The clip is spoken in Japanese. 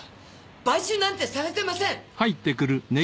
買収なんてされてません！